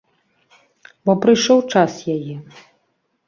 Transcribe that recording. Бо прыйшоў час яе.